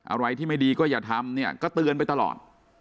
อะไรที่ไม่ดีก็อย่าทำเนี่ยก็เตือนไปตลอด